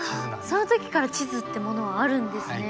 そのときから地図ってものはあるんですね！